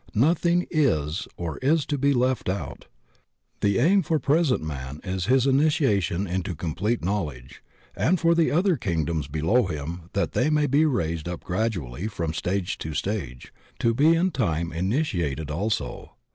Nothing is or is to be left out. The aim for present man is THE OBJECT OF EVOLUTION 61 his initiation into complete knowledge, and for the other kingdoms below him that they many be raised up gradually from stage to stage to be in time initiated also.